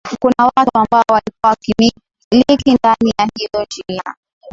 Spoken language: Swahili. kuna watu ambao walikuwa wakimika ndani ya hiyo njia